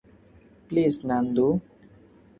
Please, Nandu!